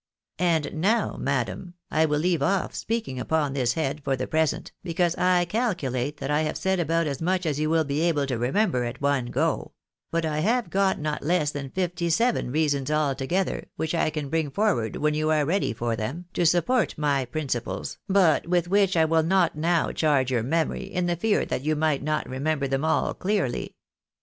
And now, madam, I will leave off speaking upon this head for the present, because I calculate that I have said about as much as you will be able to remember at one go ; but I have got not less than fifty seven reasons altogether, which I can bring for ward, when you are ready for them, to support my principles, but with which I will not now charge your memory, in the fear that you might not remember them all clearly.